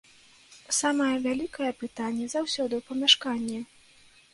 Самае вялікае пытанне заўсёды ў памяшканні.